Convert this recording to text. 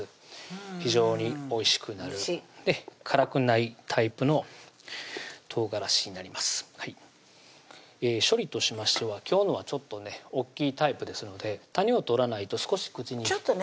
非常においしくなる辛くないタイプの唐辛子になります処理としましては今日のは大きいタイプですので種を取らないと少し口にちょっとね